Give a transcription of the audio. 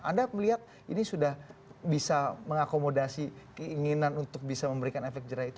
anda melihat ini sudah bisa mengakomodasi keinginan untuk bisa memberikan efek jerah itu